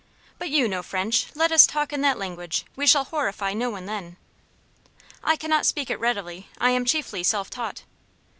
"But you know French let us talk in that language; we shall horrify no one then." "I cannot speak it readily; I am chiefly self taught."